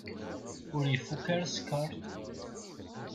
Ur ifukk ara sskeṛ?